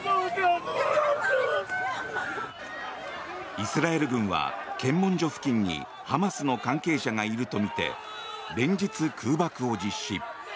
イスラエル軍は検問所付近にハマスの関係者がいるとみて連日、空爆を実施。